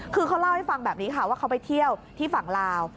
คือเขาเล่าให้ฟังแบบนี้ค่ะว่าเขาไปเที่ยวที่ฝั่งลาว